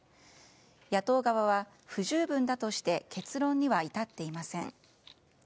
野党側は、不十分だとして結論には至っていません。